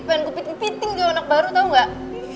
pengen gue piting piting dia anak baru tau gak